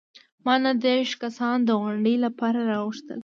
ما نهه دیرش کسان د غونډې لپاره راوغوښتل.